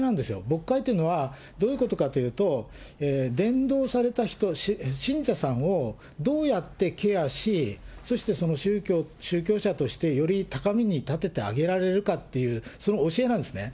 牧会というのは、どういうことかというと、伝道された人、信者さんをどうやってケアし、そして宗教者としてより高みに立ててあげられるかっていう、その教えなんですね。